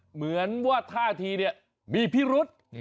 เหมือนว่าท่าทีเนี่ยมีพิรุษ